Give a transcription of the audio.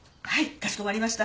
かしこまりました。